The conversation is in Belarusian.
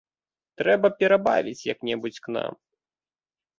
Трэба перабавіць як-небудзь к нам.